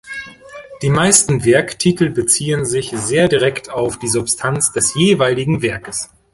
Die meisten Werktitel beziehen sich sehr direkt auf die Substanz des jeweiligen Werkes.